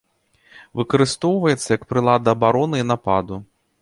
Выкарыстоўваецца як прылада абароны і нападу.